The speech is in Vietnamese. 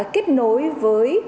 kết nối với